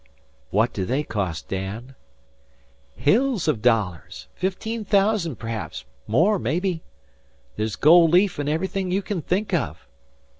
"What do they cost, Dan?" "Hills o' dollars. Fifteen thousand, p'haps; more, mebbe. There's gold leaf an' everything you kin think of."